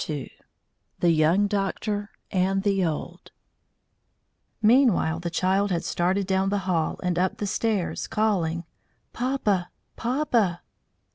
II THE YOUNG DOCTOR AND THE OLD Meanwhile the child had started down the hall, and up the stairs, calling: "Papa! Papa!"